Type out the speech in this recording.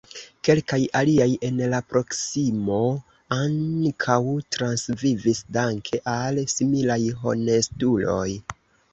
Kelkaj aliaj en la proksimo ankaŭ transvivis danke al similaj honestuloj.